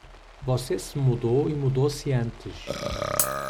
Você se mudou e mudou-se antes.